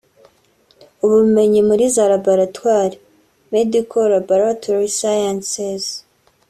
ubumenyi muri za laboratwari (Medical Laboratory Sciences)